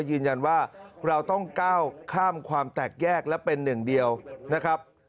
ยืนยันว่าเราต้องก้าวข้ามความแตกแยกและเป็นหนึ่งเดียวนะครับ